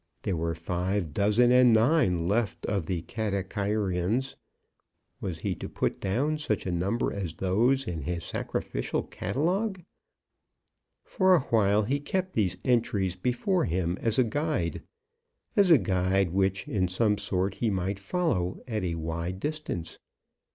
There were five dozen and nine left of the Katakairions. Was he to put down such numbers as those in his sacrificial catalogue? For awhile he kept these entries before him as a guide as a guide which in some sort he might follow at a wide distance.